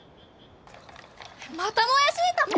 またもやし炒め？